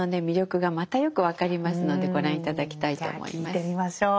魅力がまたよく分かりますのでご覧頂きたいと思います。